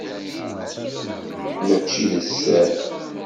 Mačči d sser.